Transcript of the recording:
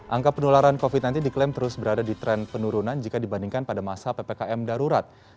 angka penularan covid sembilan belas diklaim terus berada di tren penurunan jika dibandingkan pada masa ppkm darurat